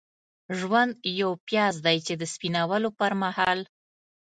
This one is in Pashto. ژوند یو پیاز دی چې د سپینولو پرمهال.